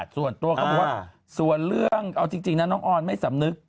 ส่วนตัวเขาบอกว่าส่วนเรื่องเอาจริงนะน้องออนไม่สำนึก